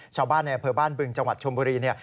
ชาวบ้านในอำเภอบ้านบึงจังหวัดชมบุรีเนี่ย